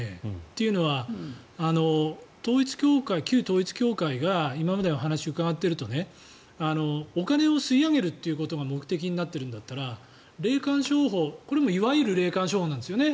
というのは、旧統一教会が今までの話を伺っているとお金を吸い上げるということが目的になっているんだったら霊感商法これもいわゆる霊感商法なんですよね。